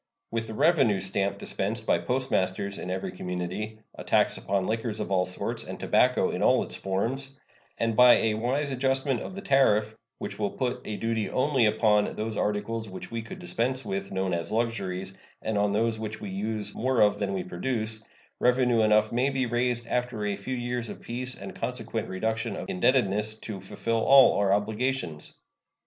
With the revenue stamp dispensed by postmasters in every community, a tax upon liquors of all sorts and tobacco in all its forms, and by a wise adjustment of the tariff, which will put a duty only upon those articles which we could dispense with, known as luxuries, and on those which we use more of than we produce, revenue enough may be raised after a few years of peace and consequent reduction of indebtedness to fulfill all our obligations.